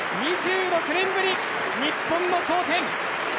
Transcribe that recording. ２６年ぶり、日本の頂点。